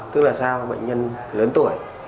tức là sao bệnh nhân lớn tuổi